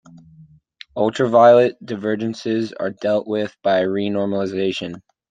Ultraviolet divergences are dealt with by renormalization.